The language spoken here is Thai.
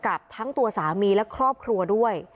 กับทั้งตัวสามีและครอบครัวด้วย